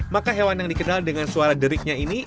maka hewan yang dikenal dengan suara deriknya ini